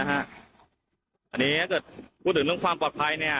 อันนี้ถ้าพูดถึงเรื่องความปลอดภัย